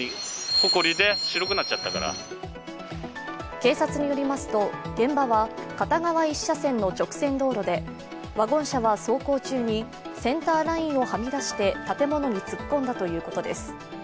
警察によりますと現場は片側１車線の直線道路で、ワゴン車は走行中にセンターラインをはみ出して建物に突っ込んだということです。